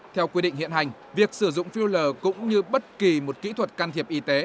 theo quy định hiện hành việc sử dụng filler cũng như bất kỳ một kỹ thuật can thiệp y tế